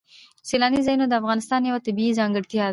سیلانی ځایونه د افغانستان یوه طبیعي ځانګړتیا ده.